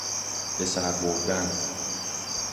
به سر بردن